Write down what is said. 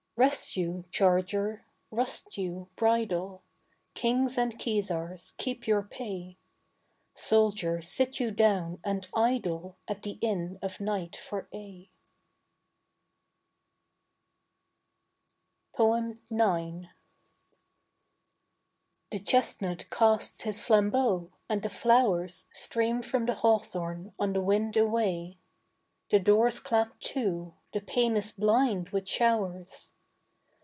Rest you, charger, rust you, bridle; Kings and kesars, keep your pay; Soldier, sit you down and idle At the inn of night for aye. IX. The chestnut casts his flambeaux, and the flowers Stream from the hawthorn on the wind away, The doors clap to, the pane is blind with showers.